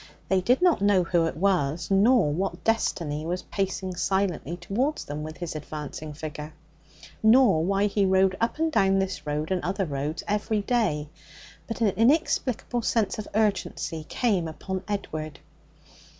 They did not know who it was, nor what destiny was pacing silently towards them with his advancing figure, nor why he rode up and down this road and other roads every day; but an inexplicable sense of urgency came upon Edward.